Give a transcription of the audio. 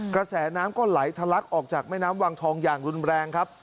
กระแสน้ำก็ไหลทะลักออกจากแม่น้ำวังทองอย่างรุนแรงครับ